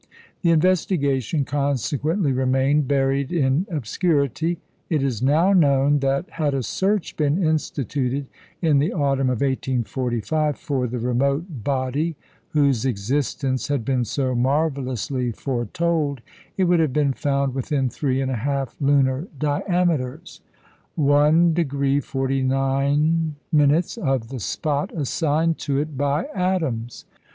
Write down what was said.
The investigation consequently remained buried in obscurity. It is now known that had a search been instituted in the autumn of 1845 for the remote body whose existence had been so marvellously foretold, it would have been found within three and a half lunar diameters (1° 49') of the spot assigned to it by Adams.